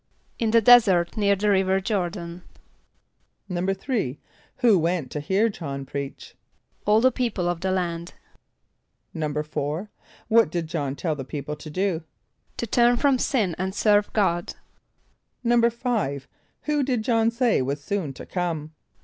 =In the desert near the river Jôr´dan.= =3.= Who went to hear J[)o]hn preach? =All the people of the land.= =4.= What did J[)o]hn tell the people to do? =To turn from sin and serve God.= =5.= Who did J[)o]hn say was soon to come?